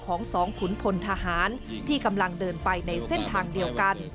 ของสองขุนพลทหารที่กำลังเดินไปในเส้นทางเดียวกัน